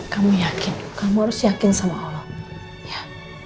kamu yakin kamu harus yakin sama allah